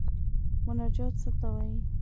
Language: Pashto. مناجات څه ته وايي.